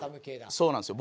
そうなんですよ。